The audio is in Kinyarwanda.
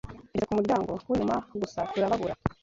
Tugeze ku muryango w'inyuma, gusa turababura